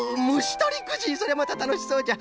そりゃまたたのしそうじゃ。